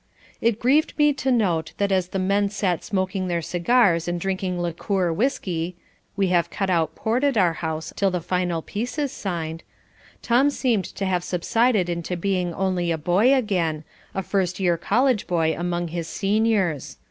It grieved me to note that as the men sat smoking their cigars and drinking liqueur whiskey (we have cut out port at our house till the final peace is signed) Tom seemed to have subsided into being only a boy again, a first year college boy among his seniors.